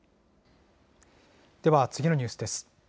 では、次のニュースです。